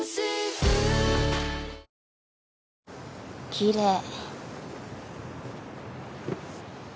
きれい。